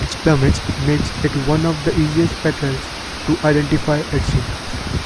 Its plumage makes it one of the easier petrels to identify at sea.